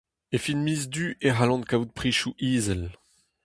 E fin miz Du e c'hallan kavout prizioù izel.